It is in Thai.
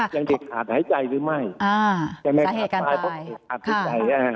อย่างเด็กขาดหายใจหรือไม่สาเหตุการณ์ตาย